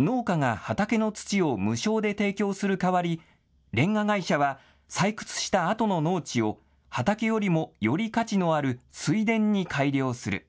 農家が畑の土を無償で提供する代わり、レンガ会社は採掘したあとの農地を畑よりもより価値のある水田に改良する。